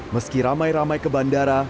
meski ramai ramai ke bandara